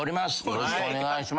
よろしくお願いします。